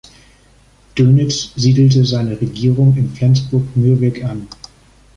Dönitz siedelte seine Regierung in Flensburg-Mürwik an.